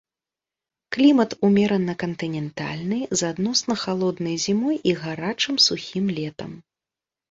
Клімат умерана-кантынентальны з адносна халоднай зімой і гарачым, сухім летам.